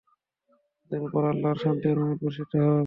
তাঁদের উপর আল্লাহর শান্তি ও রহমত বর্ষিত হোক।